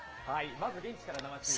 まず現地から生中継です。